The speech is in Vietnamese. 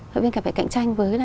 hội viên cũng phải cạnh tranh với